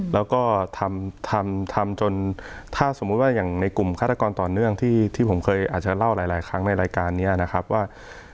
แล้วก็ทำทำจนถ้าสมมุติว่าอย่างในกลุ่มฆาตกรต่อเนื่องที่ผมเคยอาจจะเล่าหลายครั้งในรายการนี้นะครับว่า